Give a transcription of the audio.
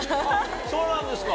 そうなんですか。